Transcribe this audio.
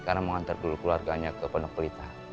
karena mau ngantar dulu keluarganya ke penepelita